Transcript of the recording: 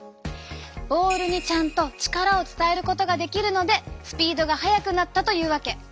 ボールにちゃんと力を伝えることができるのでスピードが速くなったというわけ。